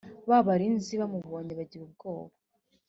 Ba barinzi bamubonye bagira ubwoba